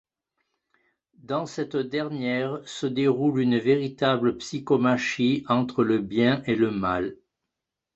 Dans cette dernière, se déroule une véritable psychomachie entre le Bien et le Mal.